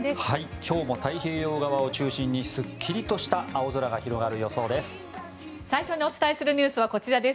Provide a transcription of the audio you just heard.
今日も太平洋側を中心にすっきりとした青空が広がる予想です。